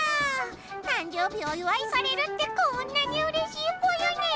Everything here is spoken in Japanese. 誕生日おいわいされるってこんなにうれしいぽよね！